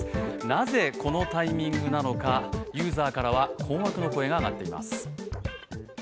なぜこのタイミングなのかユーザーからは困惑の声が上がっています。